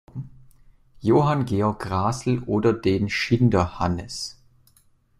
Johann Georg Grasel oder den "Schinderhannes".